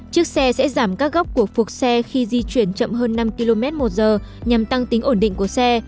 chiếc xe sẽ giảm các góc của phộc xe khi di chuyển chậm hơn năm km một giờ nhằm tăng tính ổn định của xe